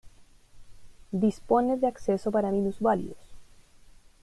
Dispone de acceso para minusválidos.